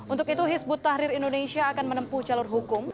untuk itu hizbut tahrir indonesia akan menempuh jalur hukum